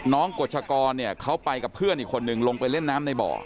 กฎชกรเนี่ยเขาไปกับเพื่อนอีกคนนึงลงไปเล่นน้ำในบ่อ